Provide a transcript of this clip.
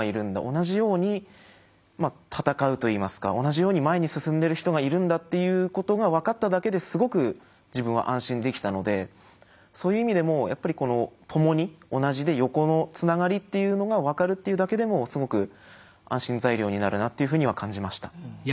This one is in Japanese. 同じように闘うといいますか同じように前に進んでる人がいるんだっていうことが分かっただけですごく自分は安心できたのでそういう意味でもやっぱり共に同じで横のつながりっていうのが分かるっていうだけでもすごく安心材料になるなっていうふうには感じました。